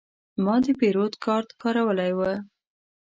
ما د پیرود کارت کارولی و.